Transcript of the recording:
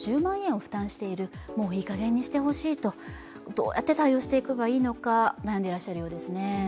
どうやって対応していけばいいのか悩んでらっしゃるようですね。